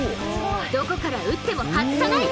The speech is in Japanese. どこから打っても外さない！